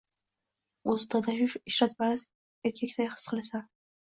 O’zini ana shu ishratparast erkakdek his qilasan.